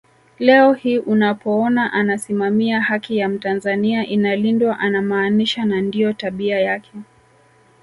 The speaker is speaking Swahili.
Leo hii unapoona anasimamia haki ya mtanzania inalindwa anamaanisha na ndio tabia yake